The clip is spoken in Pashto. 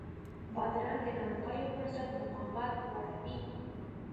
بادرنګ د ناروغیو پر ضد مقاومت لوړوي.